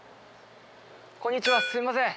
こんにちはすいません。